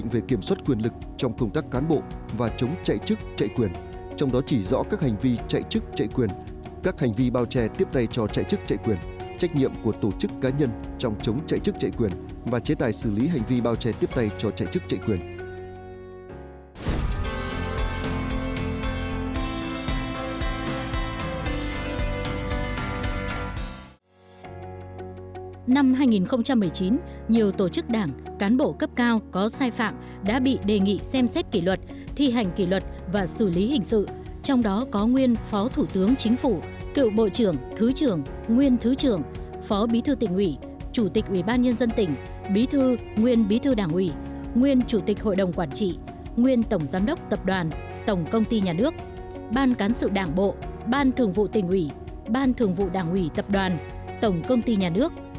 nguyên phó thủ tướng chính phủ cựu bộ trưởng thứ trưởng nguyên thứ trưởng phó bí thư tỉnh ủy chủ tịch ubnd tỉnh bí thư nguyên bí thư đảng ủy nguyên chủ tịch hội đồng quản trị nguyên tổng giám đốc tập đoàn tổng công ty nhà nước ban cán sự đảng bộ ban thường vụ tỉnh ủy ban thường vụ đảng ủy tập đoàn tổng công ty nhà nước